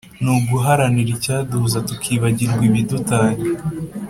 ni uguharanira icyaduhuza tukibagirwe ibidutanya.